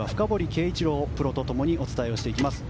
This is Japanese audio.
圭一郎プロと共にお伝えをしていきます。